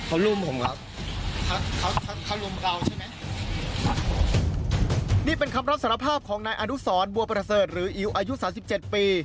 อันนี้เป็นคำรับสารภาพของนายอนุสรบัวประเศษหรืออิ้วอายุ๓๗ปี